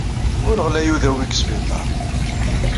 Ur ɣlay udawi deg sbiṭarat.